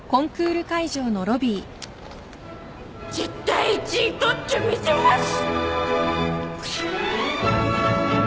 絶対１位取ってみせます！